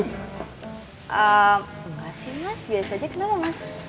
enggak sih mas biasa aja kenapa mas